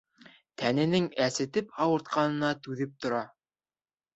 Тәненең әсетеп ауыртҡанына түҙеп тора.